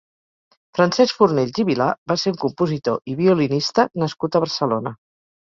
Francesc Fornells i Vilar va ser un compositor i violinista nascut a Barcelona.